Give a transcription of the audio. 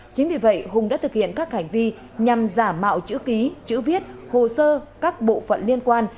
chính vì vậy hùng đã thực hiện các hành vi nhằm giả mạo chữ ký chữ viết hồ sơ các bộ phận liên quan